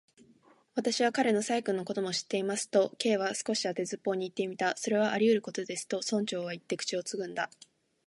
「私は彼の細君のことも知っています」と、Ｋ は少し当てずっぽうにいってみた。「それはありうることです」と、村長はいって、口をつぐんだ。